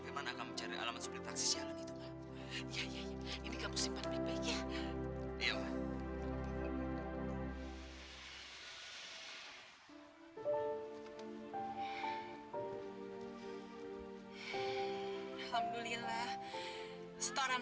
cepat serahkan uangnya